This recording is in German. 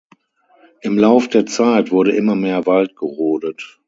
Im Lauf der Zeit wurde immer mehr Wald gerodet.